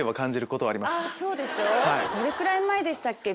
どれくらい前でしたっけ？